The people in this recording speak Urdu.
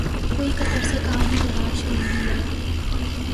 کوئی قطر سے کہانی تراش کے نہیں لائے۔